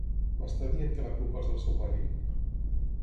M'està dient que la culpa és del seu marit?